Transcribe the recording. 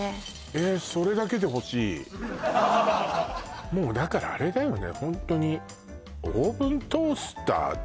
えっそれだけで欲しいもうだからあれだよね